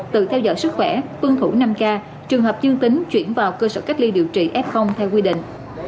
tự theo dõi sức khỏe tuân thủ năm k trường hợp dương tính chuyển vào cơ sở cách ly điều trị f theo quy định